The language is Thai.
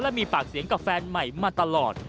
และมีปากเสียงกับแฟนใหม่มาตลอด